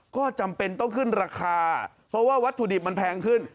ก็จำเป็นต้องขึ้นราคาเพราะว่าวัตถุดิบมันแพงขึ้น